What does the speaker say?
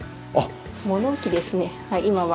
物置ですね今は。